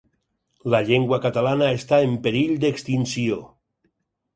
La llengua catalana està en perill d'extinció.